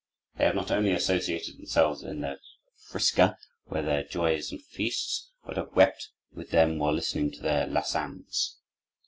They have not only associated themselves in their 'Frischka' with their joys and feasts, but have wept with them while listening to their 'Lassans.